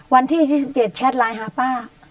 วันที่๒๗แชทไลน์หาป้า